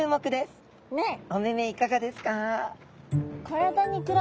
お目々いかがですか？